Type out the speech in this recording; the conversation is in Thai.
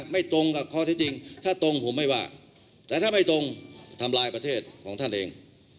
ไม่ตรงทำลายประเทศของท่านเอง